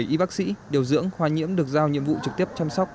một mươi bảy y bác sĩ điều dưỡng khoa nhiễm được giao nhiệm vụ trực tiếp chăm sóc